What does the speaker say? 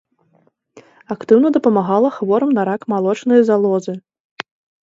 Актыўна дапамагала хворым на рак малочнай залозы.